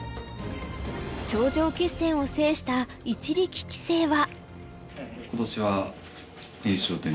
頂上決戦を制した一力棋聖は。